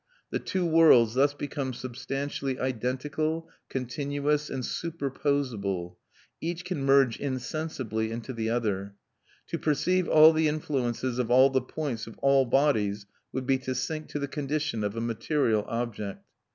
The two worlds thus become substantially identical, continuous, and superposable; each can merge insensibly into the other. "To perceive all the influences of all the points of all bodies would be to sink to the condition of a material object."